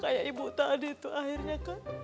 kayak ibu tadi tuh akhirnya kan